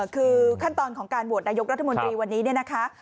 คือขั้นตอนของการโหวตนายกรัฐมนตรีวันนี้เนี่ยนะคะ